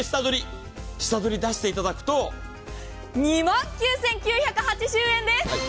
下取り出していただくと、２万９９８０円です。